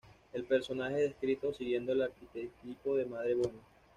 El personaje es descrito siguiendo el arquetipo de madre buena.